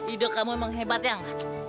yang hidup kamu memang hebat yang